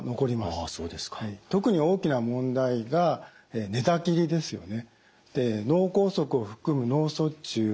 特に大きな問題が寝たきりですよね。